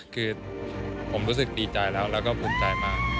คือผมรู้สึกดีใจแล้วแล้วก็ภูมิใจมาก